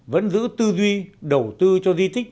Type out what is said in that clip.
vẫn giữ tư duy đầu tư cho di tích